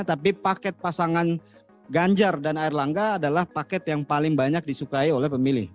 tapi paket pasangan ganjar dan air langga adalah paket yang paling banyak disukai oleh pemilih